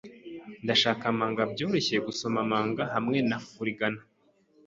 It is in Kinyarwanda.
Ndashaka manga byoroshye-gusoma-manga hamwe na furigana.